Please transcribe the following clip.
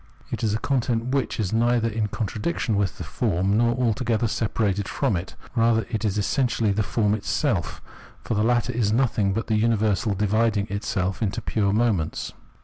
It is a con tent, which is neither in contradiction with the form nor altogether separated from it ; rather it is essentially the form itself ; for the latter is nothing but the universal dividing itself into its pure moments.